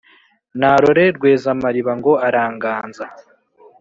narore rweza-mariba ngo aranganza,